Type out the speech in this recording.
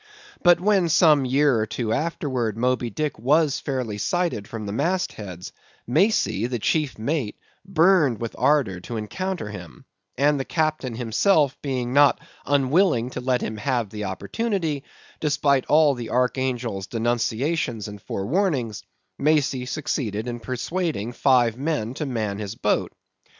But when, some year or two afterwards, Moby Dick was fairly sighted from the mast heads, Macey, the chief mate, burned with ardour to encounter him; and the captain himself being not unwilling to let him have the opportunity, despite all the archangel's denunciations and forewarnings, Macey succeeded in persuading five men to man his boat.